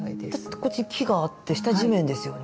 こっち木があって下地面ですよね。